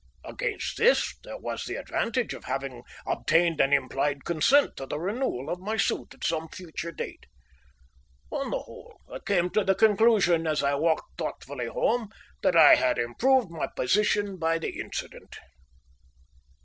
Against this there was the advantage of having obtained an implied consent to the renewal of my suit at some future date. On the whole, I came to the conclusion as I walked thoughtfully home that I had improved my position by the incident.